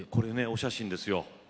写真ですよ。